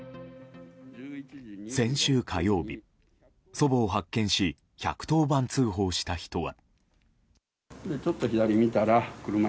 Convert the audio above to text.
先週火曜日、祖母を発見し１１０番通報した人は。